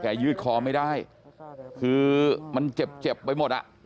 ยืดคอไม่ได้คือมันเจ็บเจ็บไปหมดอ่ะ